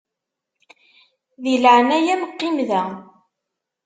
Di leɛnaya-m qqim da.